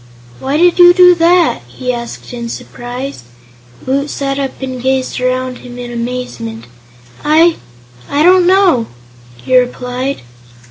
"Why did you do that?" he asked in surprise. Woot sat up and gazed around him in amazement. "I I don't know!" he replied.